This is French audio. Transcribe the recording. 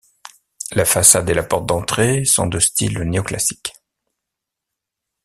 La façade et la porte d'entrée sont de style néoclassique.